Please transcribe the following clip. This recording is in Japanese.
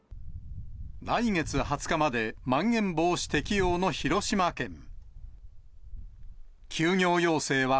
来月２０日まで、まん延防止適用の広島県。